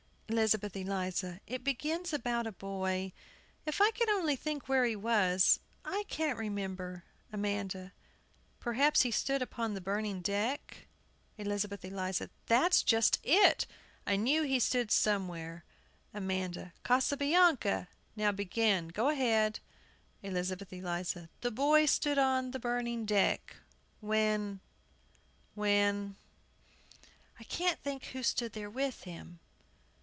ELIZABETH ELIZA. It begins about a boy if I could only think where he was. I can't remember. AMANDA. Perhaps he "stood upon the burning deck?" ELIZABETH ELIZA. That's just it; I knew he stood somewhere. AMANDA. Casablanca! Now begin go ahead. ELIZABETH ELIZA. "The boy stood on the burning deck, When When " I can't think who stood there with him.